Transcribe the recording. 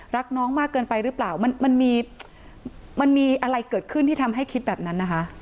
รักน้องมากเกินไปหรือเปล่ามันมันมีมันมีอะไรเกิดขึ้นที่ทำให้คิดแบบนั้นนะคะ